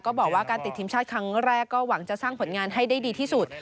บอกว่าการติดทีมชาติครั้งแรกก็หวังจะสร้างผลงานให้ได้ดีที่สุด